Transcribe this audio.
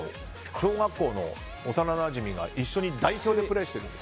小学校の幼なじみが一緒に代表でプレーしてる。